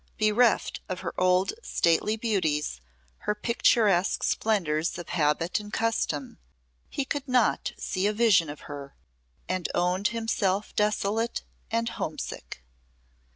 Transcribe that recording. Bereft of her old stately beauties, her picturesque splendours of habit and custom, he could not see a vision of her, and owned himself desolate and homesick.